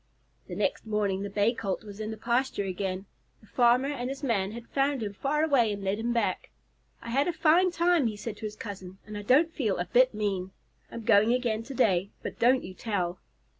The next morning the Bay Colt was in the pasture again. The farmer and his man had found him far away and led him back. "I had a fine time," he said to his cousin, "and I don't feel a bit mean. I'm going again to day, but don't you tell."